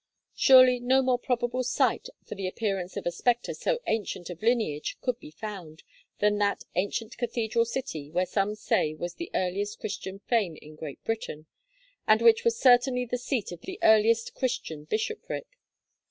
Surely, no more probable site for the appearance of a spectre so ancient of lineage could be found, than that ancient cathedral city where some say was the earliest Christian fane in Great Britain, and which was certainly the seat of the earliest Christian bishopric.